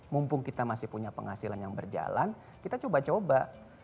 mumpung kita masih punya penghasilan yang berjalan kita coba coba